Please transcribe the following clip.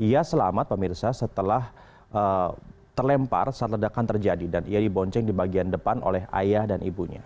ia selamat pemirsa setelah terlempar saat ledakan terjadi dan ia dibonceng di bagian depan oleh ayah dan ibunya